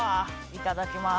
いただきます。